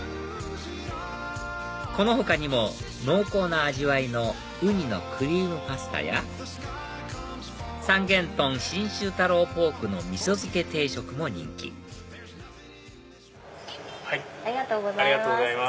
この他にも濃厚な味わいの雲丹のクリームパスタや三元豚信州太郎ぽーくの味噌漬け定食も人気ありがとうございます。